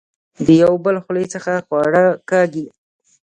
د يو بل خولې څخه خواړۀ کاږي